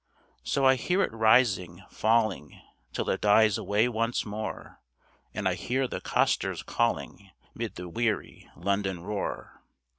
So I hear it rising, falling, Till it dies away once more, And I hear the costers calling Mid the weary London roar.